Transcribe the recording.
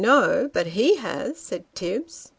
No ; but lie has," said Tibbs.